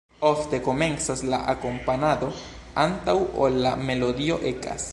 Ofte komencas la akompanado, antaŭ ol la melodio ekas.